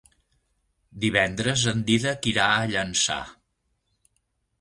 Divendres en Dídac irà a Llançà.